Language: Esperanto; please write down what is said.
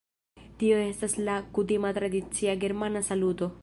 Tio estas la kutima tradicia germana saluto